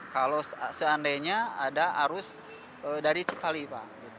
kalau seandainya ada arus dari cipali pak